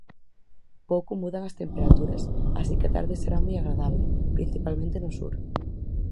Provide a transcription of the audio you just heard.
Pouco mudan as temperaturas, así que a tarde será moi agradable, principalmente no sur.